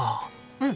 うん！